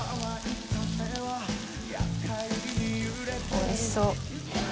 おいしそう。